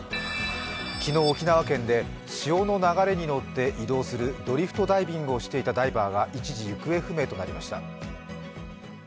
昨日沖縄県で潮の流れに乗って移動するドリフトダイビングをしていたダイバーが一時行方不明となりました。